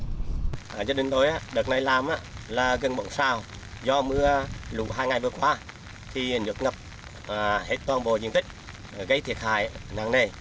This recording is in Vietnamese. gia đình tôi đợt này làm là gần bộ xào do mưa lũ hai ngày vừa qua thì được ngập hết toàn bộ diện tích gây thiệt hại nắng nề